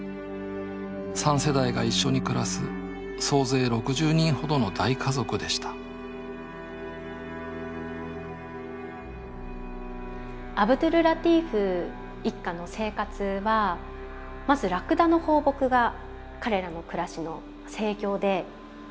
３世代が一緒に暮らす総勢６０人ほどの大家族でしたアブドュルラティーフ一家の生活はまずラクダの放牧が彼らの暮らしの生業で。